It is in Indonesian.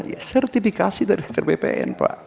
ya sertifikasi dari kantor bpn pak